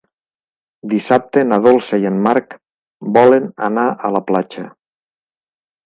Dissabte na Dolça i en Marc volen anar a la platja.